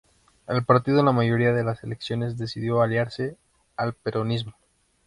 El partido en la mayoría de las elecciones decidió aliarse al peronismo.